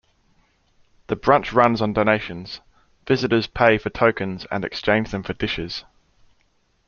The brunch runs on donations; visitors pay for tokens and exchange them for dishes.